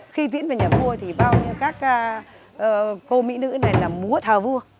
khi tiễn vào nhà vua thì bao nhiêu các cô mỹ nữ này là múa thờ vua